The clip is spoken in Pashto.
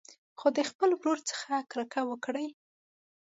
خو د خپل ورور څخه کرکه وکړي.